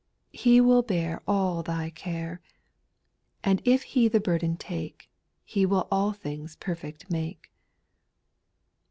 He will bear All thy care ; And if He the burden take, He will all things perfect make.